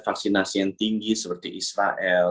vaksinasi yang tinggi seperti israel